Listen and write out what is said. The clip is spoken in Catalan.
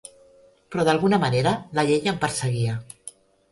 Però d'alguna manera la llei em perseguia.